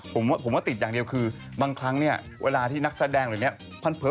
ผมว่าติดอย่างเดียวคือบางครั้งเนี่ยเวลาที่นักแสดงเหล่านี้